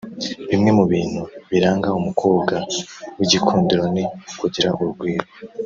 Bimwe mu bintu biranga umukobwa w’igikundiro ni ukugira urugwiro